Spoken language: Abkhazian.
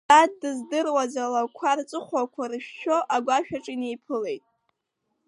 Иара дыздыруаз алақәа рҵыхәақәа рышәшәо агәашә аҿы инеиԥылеит.